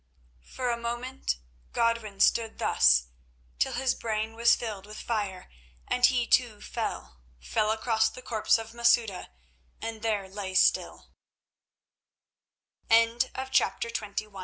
For a moment Godwin stood thus, till his brain was filled with fire, and he too fell—fell across the corpse of Masouda, and there lay still. Chapter XXII.